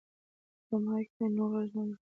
که مایک وي نو غږ نه ورکیږي.